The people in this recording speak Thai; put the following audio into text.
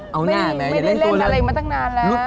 เอาหน้าไม่ได้เล่นอะไรมาตั้งนานแล้ว